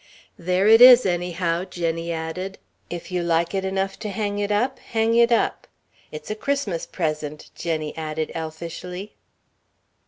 "There it is, anyhow," Jenny added. "If you like it enough to hang it up, hang it up. It's a Christmas present!" Jenny laughed elfishly.